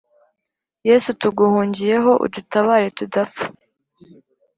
Yesu tuguhungiyeho udutabare tudapfa